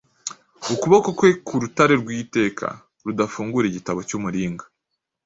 ukuboko kwe Ku rutare rw'iteka rudafungura Igitabo cy'umuringa.